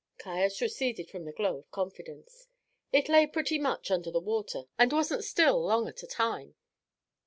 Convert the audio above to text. Caius receded from the glow of confidence. "It lay pretty much under the water, and wasn't still long at a time."